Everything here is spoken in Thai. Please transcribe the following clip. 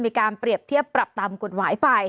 มีการเปรียบเทียบปรับตามกฎหมายไป